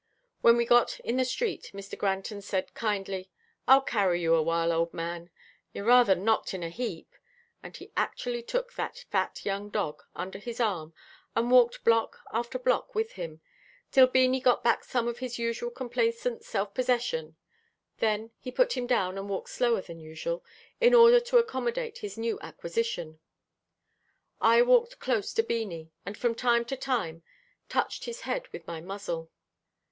When we got in the street, Mr. Granton said kindly, "I'll carry you a while, old man. You're rather knocked in a heap," and he actually took that fat young dog under his arm, and walked block after block with him, till Beanie got back some of his usual complacent self possession. Then he put him down, and walked slower than usual, in order to accommodate his new acquisition. I walked close to Beanie, and from time to time touched his head with my muzzle.